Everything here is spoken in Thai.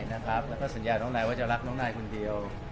แล้วก็สัญญาน้องนายว่าจะรักน้องนายคนเดียว